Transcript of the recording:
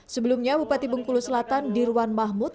sebelumnya bupati bengkulu selatan dirwan mahmud